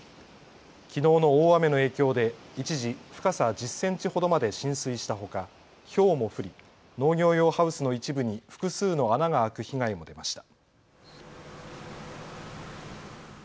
きのうの大雨の影響で一時、深さ１０センチほどまで浸水したほかひょうも降り農業用ハウスの一部に複数の穴が開く被害も出ました。